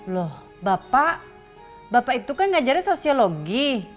loh bapak bapak itu kan ngajarnya sosiologi